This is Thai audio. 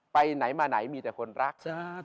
ไปไหนมาไหนมีแต่คนรัก